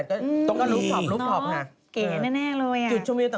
อ๋อโถตรง๗๗ชั้น